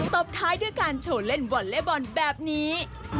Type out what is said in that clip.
บท้ายด้วยการโชว์เล่นวอลเล็บอลแบบนี้